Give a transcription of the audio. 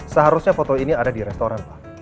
seharusnya foto ini ada di restoran pak